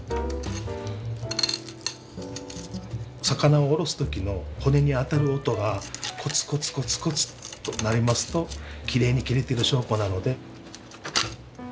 魚をおろす時の骨に当たる音がコツコツコツコツと鳴りますときれいに切れてる証拠なので。